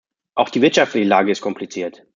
Auch die wirtschaftliche Lage ist kompliziert.